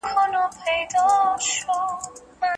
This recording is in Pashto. تاسو په پښتو ژبه خپل نظرونه په ټولنیزو رسنیو کې شریکوئ؟